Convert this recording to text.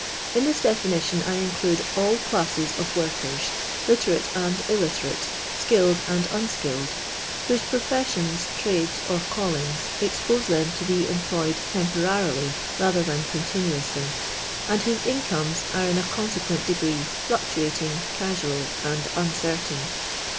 In this definition I include all classes of workers, literate and illiicrate, skilled and unskilled, whose professions, trades, or callings expose tliem to be employed temporarily rather than continuously, and whose incomes are in a con sequent degree fluctuating, casual, and uncertain.